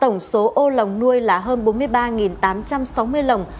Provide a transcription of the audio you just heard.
tổng số ô lòng nuôi là hơn bốn mươi ba tám trăm sáu mươi lòng